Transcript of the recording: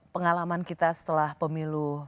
pengalaman kita setelah pemilu